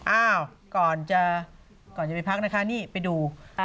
อ้าวก่อนจะไปพักนะคะนี่ไปดู